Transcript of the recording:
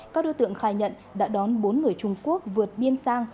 các đối tượng khai nhận đã đón bốn người trung quốc vượt biên sang